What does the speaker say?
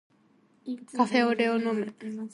カフェオレを飲む